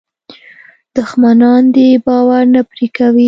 دښمنان دې باور نه پرې کوي.